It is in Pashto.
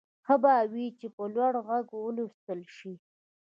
ښه به وي چې په لوړ غږ ولوستل شي.